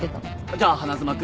じゃあ花妻君？